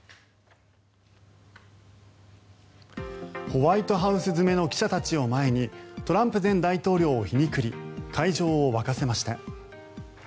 ホワイトハウス詰めの記者たちを前にトランプ前大統領を皮肉り会場を沸かせました。